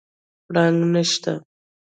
پړانګ نشته